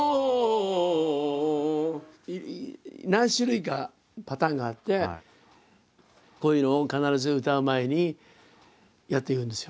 何種類かパターンがあってこういうのを必ず歌う前にやっているんですよ。